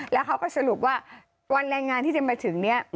แล้วเขาก็สรุปว่าวันแรงงานที่จะมาถึงเนี่ย